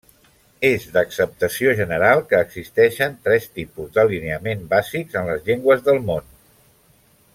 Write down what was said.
És d'acceptació general que existeixen tres tipus d'alineaments bàsics en les llengües del món.